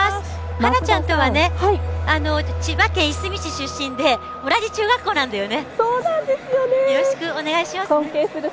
花ちゃんとは千葉県いすみ市出身で同じ中学校なんだよね。